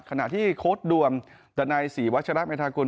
ขณะที่โค้ดด่วนดันไน๔วัชลักษณ์อินทรากร